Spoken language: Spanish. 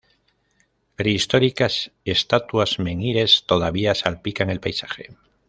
Prehistóricas estatuas menhires todavía salpican el paisaje.